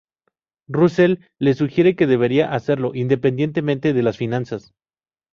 Russell le sugiere que debería hacerlo, independientemente de las finanzas.